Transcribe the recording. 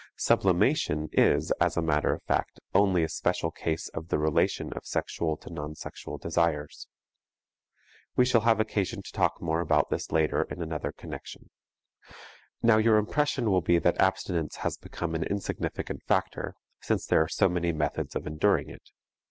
Sublimation is, as a matter of fact, only a special case of the relation of sexual to non sexual desires. We shall have occasion to talk more about this later in another connection. Now your impression will be that abstinence has become an insignificant factor, since there are so many methods of enduring it.